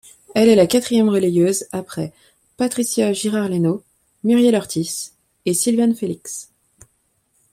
Elle est la quatrième relayeuse, après Patricia Girard-Léno, Muriel Hurtis et Sylviane Félix.